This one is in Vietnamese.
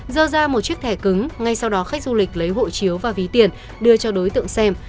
dơ ra một chiếc thẻ cứng ngay sau đó khách du lịch lấy hộ chiếu và ví tiền đưa cho đối tượng xem